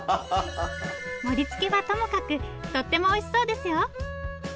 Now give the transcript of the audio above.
盛りつけはともかくとってもおいしそうですよ。